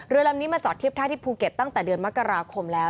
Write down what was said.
ลำนี้มาจอดเทียบท่าที่ภูเก็ตตั้งแต่เดือนมกราคมแล้ว